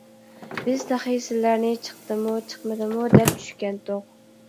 بىز تېخى سىلەرنى چىقتىمۇ، چىقمىدىمۇ دەپ، چۈشكەنتۇق؟ !